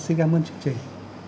xin cảm ơn chương trình